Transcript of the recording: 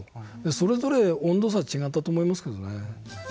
それぞれ温度差違ったと思いますけどね。